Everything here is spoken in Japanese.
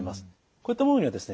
こういったものにはですね